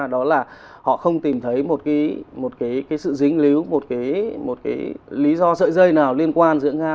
đó là họ không tìm thấy một cái sự dính líu một cái lý do sợi dây nào liên quan giữa nga